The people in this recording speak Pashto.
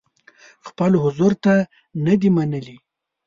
خپل حضور ته نه دي منلي.